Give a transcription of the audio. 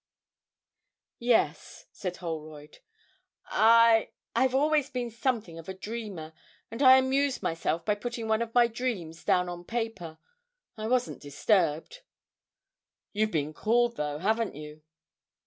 'Yes,' said Holroyd, 'I. I've always been something of a dreamer, and I amused myself by putting one of my dreams down on paper. I wasn't disturbed.' 'You've been called though, haven't you?'